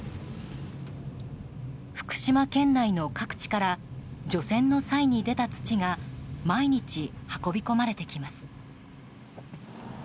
福島県内の各地から除染の際に出た土が毎日、運び込まれてきます。